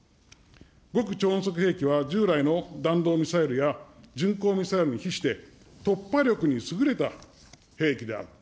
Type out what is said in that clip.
極超音速兵器は、従来の弾道ミサイルや巡航ミサイルに比して、突破力に優れた兵器である。